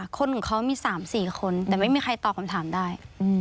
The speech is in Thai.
คนของเขามี๓๔คนแต่ไม่มีใครตอบคำถามได้